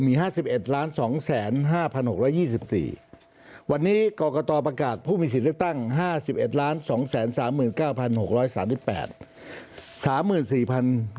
มี๕๑๒๕๖๒๔วันนี้กรกตประกาศผู้มีสิทธิ์เลือกตั้ง๕๑๒๓๙๖๓๘